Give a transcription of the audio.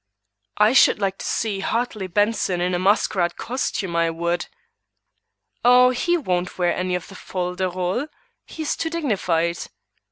"I should like to see Hartley Benson in masquerade costume, I would." "Oh, he won't wear any of the fol de rol; he's too dignified."